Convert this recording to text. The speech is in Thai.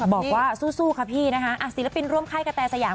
บอกว่าสู้ค่ะพี่นะคะศิลปินร่วมค่ายกระแตสยาม